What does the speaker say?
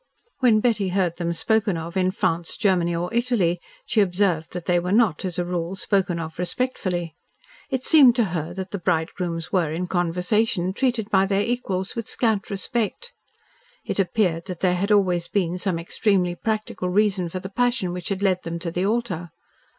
When Betty heard them spoken of in France, Germany or Italy, she observed that they were not, as a rule, spoken of respectfully. It seemed to her that the bridegrooms were, in conversation, treated by their equals with scant respect. It appeared that there had always been some extremely practical reason for the passion which had led them to the altar.